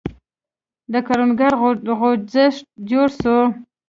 د کروندګرو خوځښت جوړ شو.